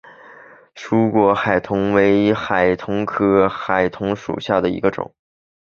疏果海桐为海桐科海桐属下的一个种。